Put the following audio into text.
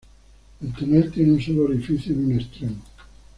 El tonel tiene un solo orificio en un extremo.